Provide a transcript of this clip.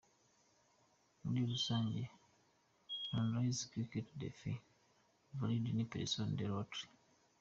Muri rusange, l’analyse critique des faits, varie d’une pesonne à l’autre.